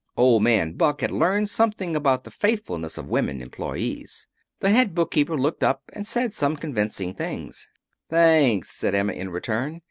Old Man Buck had learned something about the faithfulness of women employees. The head bookkeeper looked up and said some convincing things. "Thanks," said Emma, in return.